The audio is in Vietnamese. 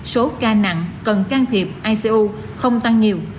số ca nặng cần can thiệp ico không tăng nhiều